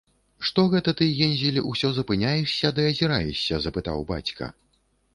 - Што гэта ты, Гензель, усё запыняешся ды азіраешся? - запытаў бацька